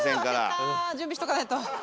準備しとかないと。